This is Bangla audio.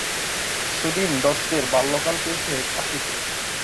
সুধীন দত্তের বাল্যকাল কেটেছে কাশীতে।